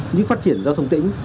như phát triển giao thông tĩnh